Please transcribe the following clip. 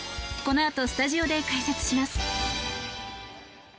このあとスタジオで解説します。